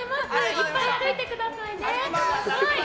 いっぱい歩いてくださいね。